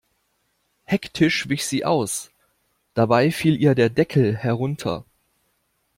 Hektisch wich sie aus, dabei fiel ihr der Deckel herunter.